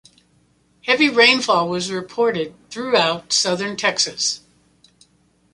Heavy rainfall was reported throughout southern Texas.